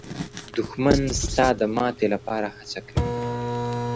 دښمن ستا د ماتې لپاره هڅې کوي